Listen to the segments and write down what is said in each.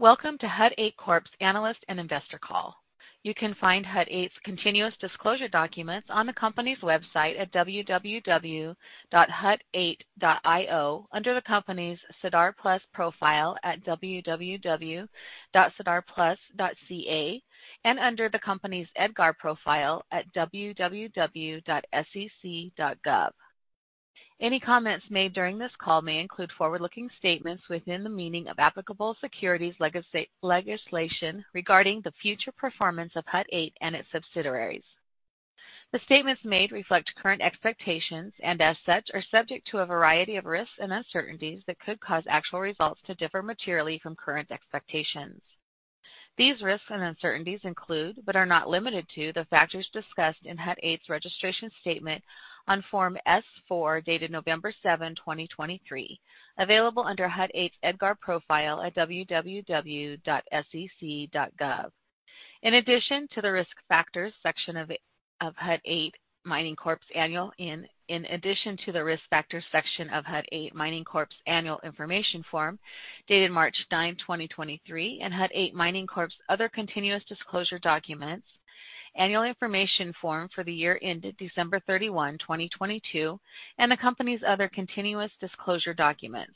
Welcome to Hut 8 Corp's analyst and investor call. You can find Hut 8's continuous disclosure documents on the company's website at www.hut8.io, under the company's SEDAR+ profile at www.sedarplus.ca, and under the company's EDGAR profile at www.sec.gov. Any comments made during this call may include forward-looking statements within the meaning of applicable securities legislation regarding the future performance of Hut 8 and its subsidiaries. The statements made reflect current expectations and, as such, are subject to a variety of risks and uncertainties that could cause actual results to differ materially from current expectations. These risks and uncertainties include, but are not limited to, the factors discussed in Hut 8's registration statement on Form S-4, dated November 7, 2023, available under Hut 8's EDGAR profile at www.sec.gov. In addition to the Risk Factors section of Hut 8 Mining Corp's Annual... In addition to the Risk Factors section of Hut 8 Mining Corp's Annual Information Form, dated March 9, 2023, and Hut 8 Mining Corp's other continuous disclosure documents, Annual Information Form for the year ended December 31, 2022, and the company's other continuous disclosure documents.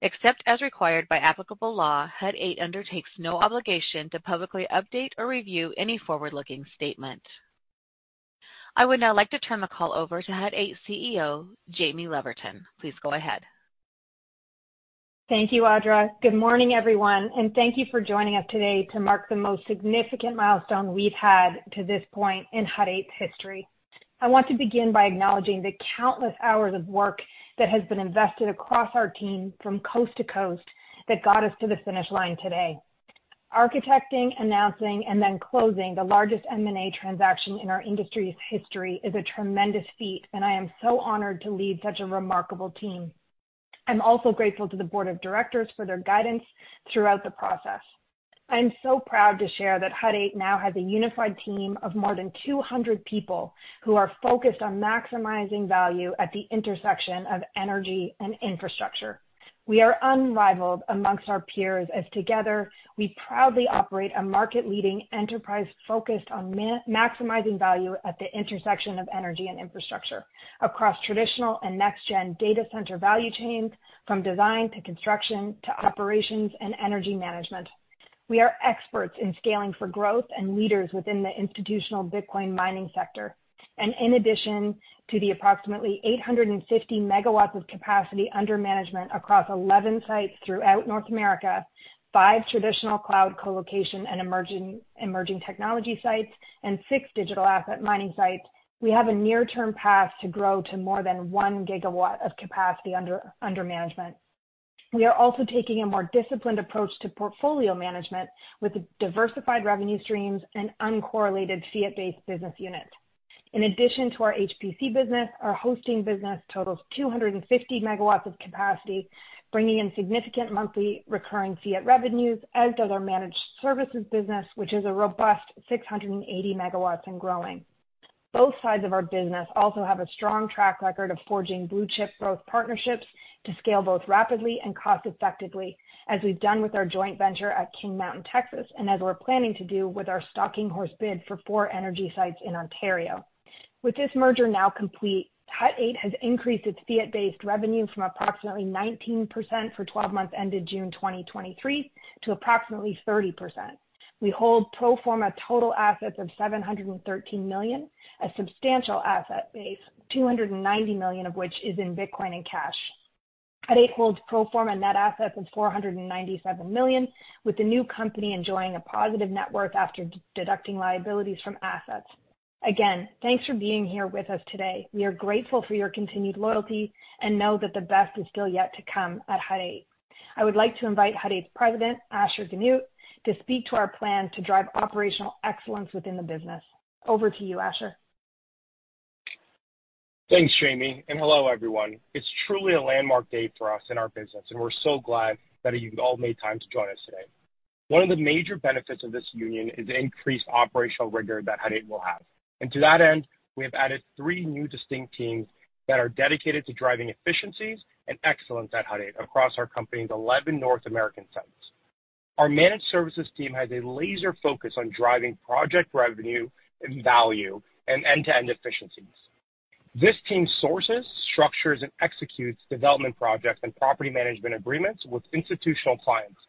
Except as required by applicable law, Hut 8 undertakes no obligation to publicly update or review any forward-looking statement. I would now like to turn the call over to Hut 8 CEO, Jaime Leverton. Please go ahead. Thank you, Audra. Good morning, everyone, and thank you for joining us today to mark the most significant milestone we've had to this point in Hut 8's history. I want to begin by acknowledging the countless hours of work that has been invested across our team from coast to coast that got us to the finish line today. Architecting, announcing, and then closing the largest M&A transaction in our industry's history is a tremendous feat, and I am so honored to lead such a remarkable team. I'm also grateful to the board of directors for their guidance throughout the process. I'm so proud to share that Hut 8 now has a unified team of more than 200 people who are focused on maximizing value at the intersection of energy and infrastructure. We are unrivaled amongst our peers, as together, we proudly operate a market-leading enterprise focused on maximizing value at the intersection of energy and infrastructure, across traditional and next-gen data center value chains, from design to construction to operations and energy management. We are experts in scaling for growth and leaders within the institutional Bitcoin mining sector. And in addition to the approximately 850 MW of capacity under management across 11 sites throughout North America, five traditional cloud colocation and emerging technology sites, and six digital asset mining sites, we have a near-term path to grow to more than 1 GW of capacity under management. We are also taking a more disciplined approach to portfolio management, with diversified revenue streams and uncorrelated fiat-based business units. In addition to our HPC business, our hosting business totals 250 MW of capacity, bringing in significant monthly recurring fiat revenues, as does our managed services business, which is a robust 680 MW and growing. Both sides of our business also have a strong track record of forging blue-chip growth partnerships to scale both rapidly and cost-effectively, as we've done with our joint venture at King Mountain, Texas, and as we're planning to do with our stalking horse bid for four energy sites in Ontario. With this merger now complete, Hut 8 has increased its fiat-based revenue from approximately 19% for twelve months, ended June 2023, to approximately 30%. We hold pro forma total assets of $713 million, a substantial asset base, $290 million of which is in Bitcoin and cash. Hut 8 holds pro forma net assets of $497 million, with the new company enjoying a positive net worth after deducting liabilities from assets. Again, thanks for being here with us today. We are grateful for your continued loyalty and know that the best is still yet to come at Hut 8. I would like to invite Hut 8's President, Asher Genoot, to speak to our plan to drive operational excellence within the business. Over to you, Asher. Thanks, Jaime, and hello, everyone. It's truly a landmark day for us in our business, and we're so glad that you've all made time to join us today. One of the major benefits of this union is the increased operational rigor that Hut 8 will have. To that end, we have added three new distinct teams that are dedicated to driving efficiencies and excellence at Hut 8 across our company's 11 North American sites. Our managed services team has a laser focus on driving project revenue and value and end-to-end efficiencies. This team sources, structures, and executes development projects and property management agreements with institutional clients,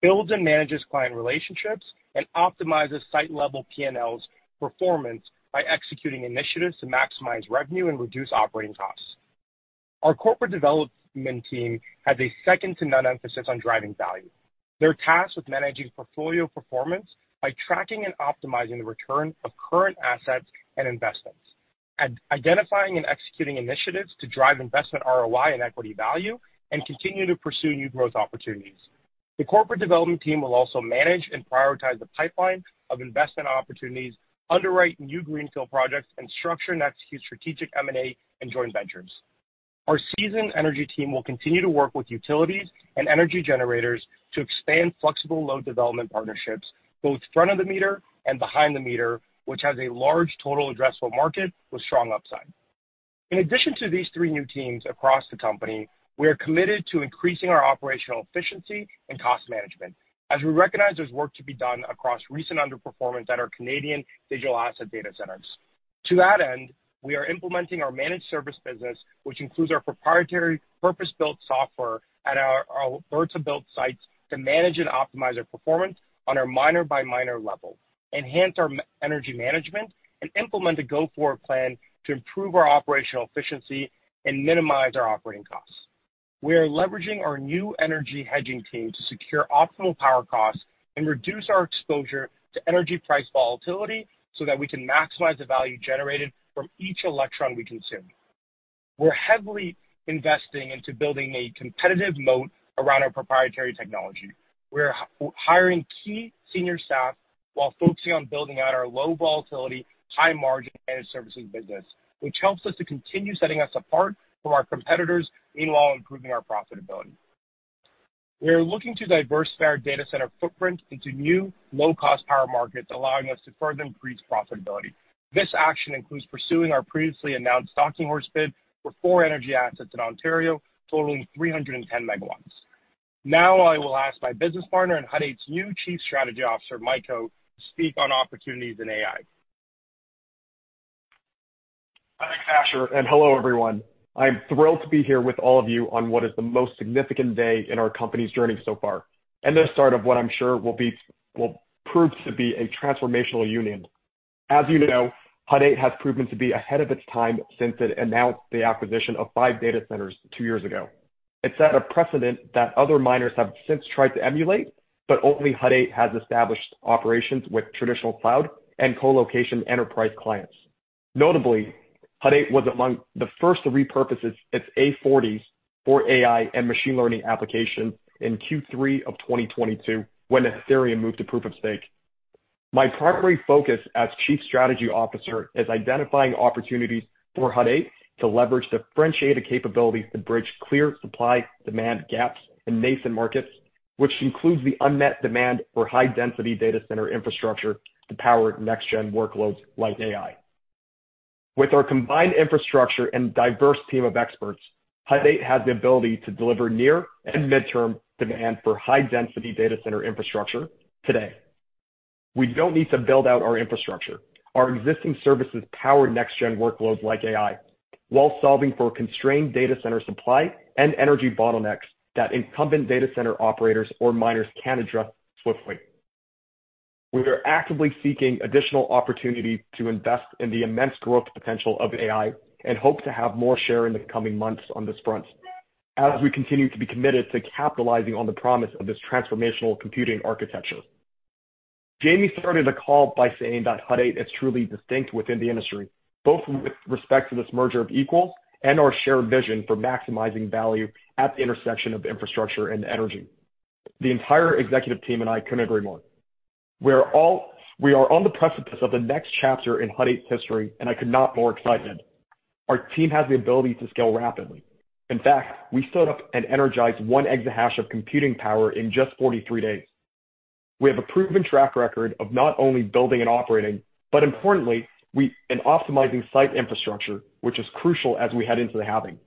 builds and manages client relationships, and optimizes site-level P&Ls' performance by executing initiatives to maximize revenue and reduce operating costs. Our corporate development team has a second-to-none emphasis on driving value. They're tasked with managing portfolio performance by tracking and optimizing the return of current assets and investments, identifying and executing initiatives to drive investment ROI and equity value, and continuing to pursue new growth opportunities. The corporate development team will also manage and prioritize the pipeline of investment opportunities, underwrite new greenfield projects, and structure and execute strategic M&A and joint ventures. Our seasoned energy team will continue to work with utilities and energy generators to expand flexible load development partnerships, both front of the meter and behind the meter, which has a large total addressable market with strong upside. In addition to these three new teams across the company, we are committed to increasing our operational efficiency and cost management as we recognize there's work to be done across recent underperformance at our Canadian digital asset data centers. To that end, we are implementing our managed service business, which includes our proprietary purpose-built software at our vertical built sites to manage and optimize our performance on our miner-by-miner level, enhance our energy management, and implement a go-forward plan to improve our operational efficiency and minimize our operating costs. We are leveraging our new energy hedging team to secure optimal power costs and reduce our exposure to energy price volatility so that we can maximize the value generated from each electron we consume. We're heavily investing into building a competitive moat around our proprietary technology. We're hiring key senior staff while focusing on building out our low volatility, high margin managed services business, which helps us to continue setting us apart from our competitors, meanwhile, improving our profitability. We are looking to diversify our data center footprint into new, low-cost power markets, allowing us to further increase profitability. This action includes pursuing our previously announced stalking horse bid for four energy assets in Ontario, totaling 310 MW. Now I will ask my business partner and Hut 8's new Chief Strategy Officer, Mike Ho, to speak on opportunities in AI. Thanks, Asher, and hello, everyone. I'm thrilled to be here with all of you on what is the most significant day in our company's journey so far, and the start of what I'm sure will be, will prove to be a transformational union. As you know, Hut 8 has proven to be ahead of its time since it announced the acquisition of five data centers two years ago. It set a precedent that other miners have since tried to emulate, but only Hut 8 has established operations with traditional cloud and colocation enterprise clients. Notably, Hut 8 was among the first to repurpose its A40s for AI and machine learning applications in Q3 of 2022, when Ethereum moved to proof of stake. My primary focus as Chief Strategy Officer is identifying opportunities for Hut 8 to leverage differentiated capabilities to bridge clear supply-demand gaps in nascent markets, which includes the unmet demand for high-density data center infrastructure to power next-gen workloads like AI. With our combined infrastructure and diverse team of experts, Hut 8 has the ability to deliver near and midterm demand for high-density data center infrastructure today. We don't need to build out our infrastructure. Our existing services power next-gen workloads like AI, while solving for constrained data center supply and energy bottlenecks that incumbent data center operators or miners can address swiftly. We are actively seeking additional opportunity to invest in the immense growth potential of AI and hope to have more share in the coming months on this front, as we continue to be committed to capitalizing on the promise of this transformational computing architecture. Jaime started the call by saying that Hut 8 is truly distinct within the industry, both with respect to this merger of equals and our shared vision for maximizing value at the intersection of infrastructure and energy. The entire executive team and I couldn't agree more. We are on the precipice of the next chapter in Hut 8's history, and I could not be more excited. Our team has the ability to scale rapidly. In fact, we stood up and energized one exahash of computing power in just 43 days. We have a proven track record of not only building and operating, but importantly, in optimizing site infrastructure, which is crucial as we head into the halving.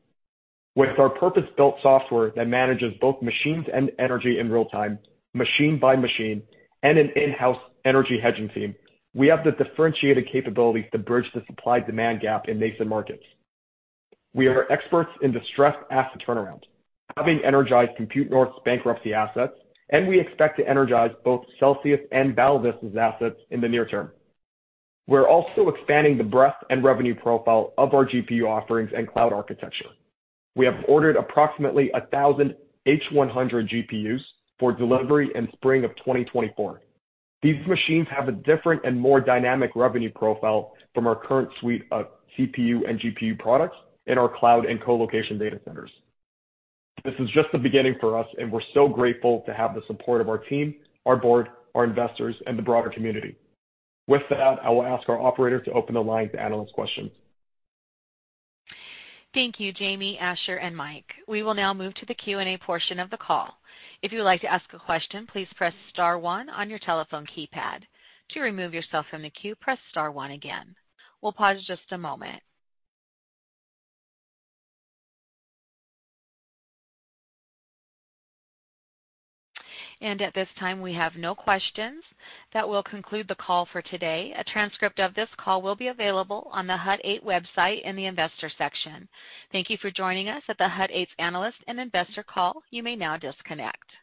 With our purpose-built software that manages both machines and energy in real time, machine by machine, and an in-house energy hedging team, we have the differentiated capabilities to bridge the supply-demand gap in nascent markets. We are experts in distressed asset turnaround, having energized Compute North's bankruptcy assets, and we expect to energize both Celsius and Validus' assets in the near term. We're also expanding the breadth and revenue profile of our GPU offerings and cloud architecture. We have ordered approximately 1,000 H100 GPUs for delivery in spring of 2024. These machines have a different and more dynamic revenue profile from our current suite of CPU and GPU products in our cloud and colocation data centers. This is just the beginning for us, and we're so grateful to have the support of our team, our board, our investors, and the broader community. With that, I will ask our operator to open the line to analyst questions. Thank you, Jaime, Asher, and Mike. We will now move to the Q&A portion of the call. If you would like to ask a question, please press star one on your telephone keypad. To remove yourself from the queue, press star one again. We'll pause just a moment. At this time, we have no questions. That will conclude the call for today. A transcript of this call will be available on the Hut 8 website in the investor section. Thank you for joining us at the Hut 8's analyst and investor call. You may now disconnect.